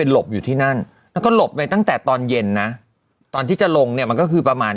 หลบอยู่ที่นั่นแล้วก็หลบไปตั้งแต่ตอนเย็นนะตอนที่จะลงเนี่ยมันก็คือประมาณ